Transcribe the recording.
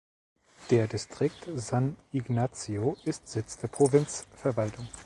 Der Distrikt San Ignacio ist Sitz der Provinzverwaltung.